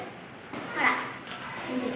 ほら。